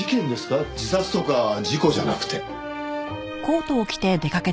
自殺とか事故じゃなくて？